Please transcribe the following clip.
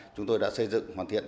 chúng tôi đã xây dựng hoàn thiện